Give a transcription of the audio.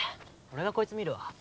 俺がこいつ見るわ。